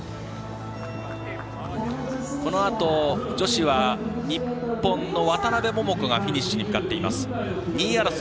このあと女子は日本の渡邉桃子がフィニッシュに向かっています。